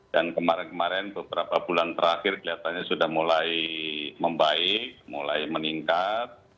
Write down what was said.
dan kemarin kemarin beberapa bulan terakhir kelihatannya sudah mulai membaik mulai meningkat